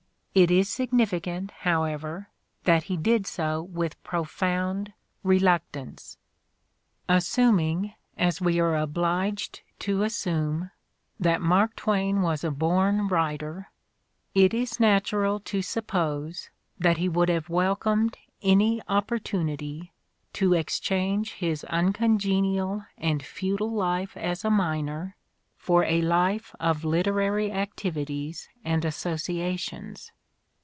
It is significant, however, that he did so with profound reluctance. Assuming, as we are obliged to assume, that Mark Twain was a born writer, it is natural to suppose that he would have welcomed any opportunity to exchange his uncongenial and futile life as a miner for a life of lit erary activities and associations.